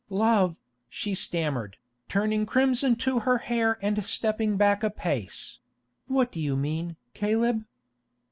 "Love," she stammered, turning crimson to her hair and stepping back a pace; "what do you mean, Caleb?"